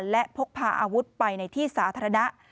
และพกพาอาวุธไปในที่สาธารณะ